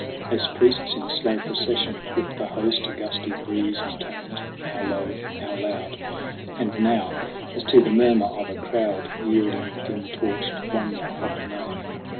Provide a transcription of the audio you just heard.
As priests in slow procession with the Host, A gusty breeze intoned now low, now loud, And now, as to the murmur of a crowd, Yielding the dim torched wonder of the nave.